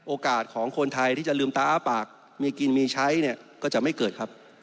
โอกาสของคนไทยที่จะลืมตาอ้าปากมีกินมีใช้เนี่ยก็จะไม่เกิดครับ